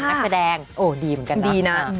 นักแสดงโอ้ดีเหมือนกันดีนะ